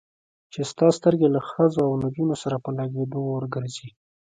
چې ستا سترګې له ښځو او نجونو سره په لګېدو اور ګرځي.